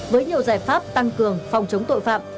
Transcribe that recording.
với nhiều giải pháp tăng cường phòng chống tội phạm